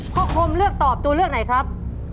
คมเลือกตอบตัวเลือกไหนครับ